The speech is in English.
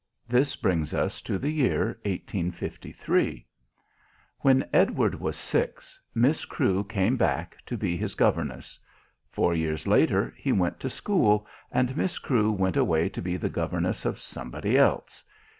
This brings us to the year 1853. When Edward was six, Miss Crewe came back, to be his governess. Four years later he went to school and Miss Crewe went away to be the governess of somebody else.